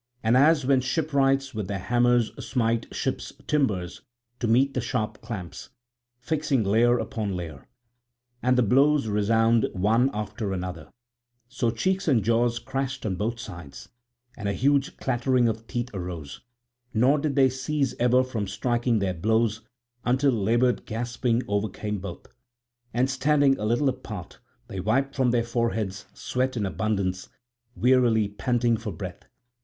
And as when shipwrights with their hammers smite ships' timbers to meet the sharp clamps, fixing layer upon layer; and the blows resound one after another; so cheeks and jaws crashed on both sides, and a huge clattering of teeth arose, nor did they cease ever from striking their blows until laboured gasping overcame both. And standing a little apart they wiped from their foreheads sweat in abundance, wearily panting for breath.